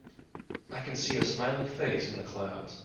I can see a smiling face in the clouds.